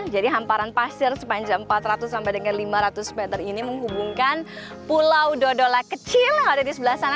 jadi hamparan pasir sepanjang empat ratus sampai dengan lima ratus meter ini menghubungkan pulau dodola kecil yang ada di sebelah sana